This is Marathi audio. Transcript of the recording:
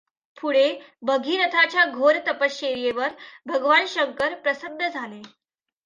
पुढे भगीरथाच्या घोर तपश्चर्येवर भगवान शंकर प्रसन्न झाले.